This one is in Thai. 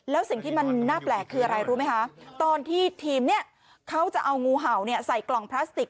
แล้วสิ่งที่มันน่าแปลกคืออะไรรู้ไหมคะตอนที่ทีมเนี่ยเขาจะเอางูเห่าใส่กล่องพลาสติก